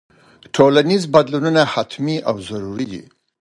ټولنیز بدلونونه حتمي او ضروري دي.